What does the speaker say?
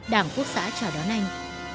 đảng quốc xã trả đón anh